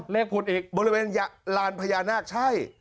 เลขพุตอีกบริเวณแล้วพญานาคใช่